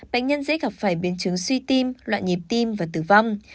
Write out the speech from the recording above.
bệnh nhân dễ gặp phải biến chứng suy tim loạn nhịp tim và tử vong